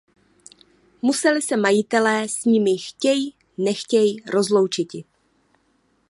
Museli se majitelé s nimi chtěj nechtěj rozloučiti.